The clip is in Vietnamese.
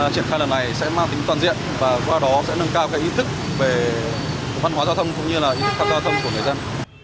triển khai lần này sẽ mang tính toàn diện và qua đó sẽ nâng cao ý thức về văn hóa giao thông cũng như là ý thức tham gia giao thông của người dân